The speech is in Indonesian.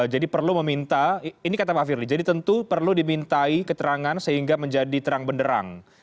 jadi perlu meminta ini kata pak firly jadi tentu perlu dimintai keterangan sehingga menjadi terang benderang